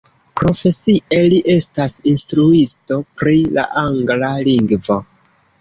Profesie li estas instruisto pri la angla lingvo.